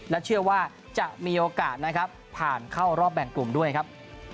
และเชื่อว่าจะมีโอกาสนะครับผ่านเข้ารอบแบ่งกลุ่มด้วยครับ